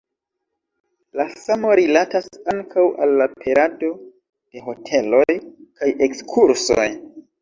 La samo rilatas ankaŭ al la perado de hoteloj kaj ekskursoj.